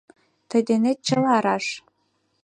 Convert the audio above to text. Тый денет чыла раш!